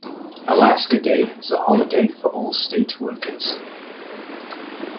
Alaska Day is a holiday for all state workers.